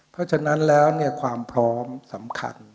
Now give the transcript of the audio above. เพราะฉะนั้นแล้วความพร้อมสำคัญ